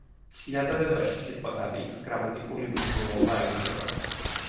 წინადადებაში სიტყვათა რიგს გრამატიკული მნიშვნელობა ენიჭება.